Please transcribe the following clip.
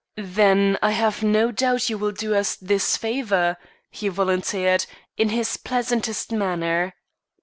"Then I have no doubt but you will do us this favour," he volunteered, in his pleasantest manner.